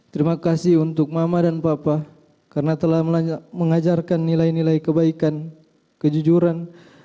terima kasih untuk mama dan papa karena telah mengajarkan nilai nilai kebaikan kejujuran